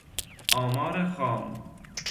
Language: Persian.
آمار خام